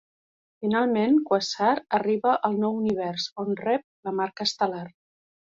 Finalment, Quasar arriba al Nou Univers, on rep la Marca Estel·lar.